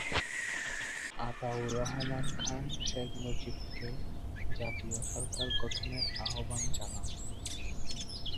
আতাউর রহমান খান শেখ মুজিবকে জাতীয় সরকার গঠনের আহবান জানান।